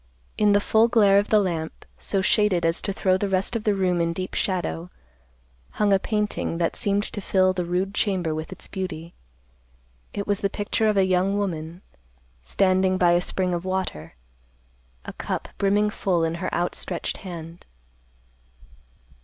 In the full glare of the lamp, so shaded as to throw the rest of the room in deep shadow, hung a painting that seemed to fill the rude chamber with its beauty. It was the picture of a young woman, standing by a spring of water, a cup brimming full in her outstretched hand.